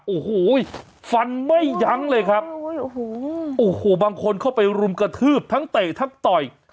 โอ้โหฟันไม่ยั้งเลยครับโอ้โหโอ้โหบางคนเข้าไปรุมกระทืบทั้งเตะทั้งต่อย